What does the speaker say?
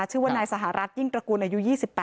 ชื่อว่านายสหรัฐยิ่งตระกูลอายุ๒๘